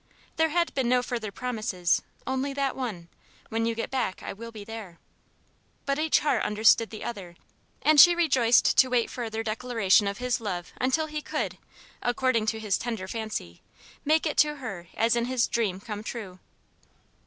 There had been no further promises; only that one: "When you get back I will be there." But each heart understood the other, and she rejoiced to wait further declaration of his love until he could, according to his tender fancy, make it to her as in his "dream come true."